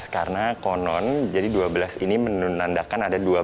karena konon jadi dua belas ini menandakan ada dua belas